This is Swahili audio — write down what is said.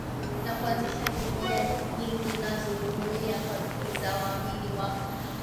na kuanzisha jumuia nyingi Nazo jumuia kwa bidii za waamini wa